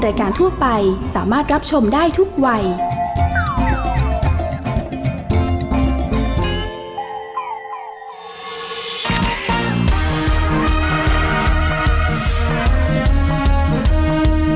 แม่บ้านพระจำบาล